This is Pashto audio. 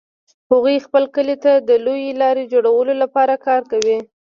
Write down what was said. هغوی خپل کلي ته د لویې لارې جوړولو لپاره کار کوي